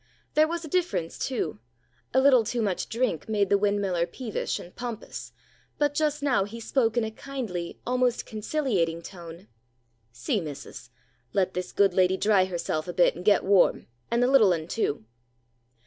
There was a difference, too. A little too much drink made the windmiller peevish and pompous, but just now he spoke in a kindly, almost conciliating tone. "See, missus! Let this good lady dry herself a bit, and get warm, and the little un too."